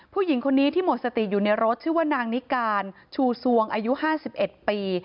ผู้หญิงคนนี้ที่หมดสติอยู่ในรถชื่อว่านางนิการชูสวงอายุ๕๑ปี